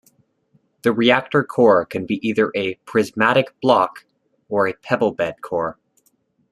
The reactor core can be either a "prismatic block" or a "pebble-bed" core.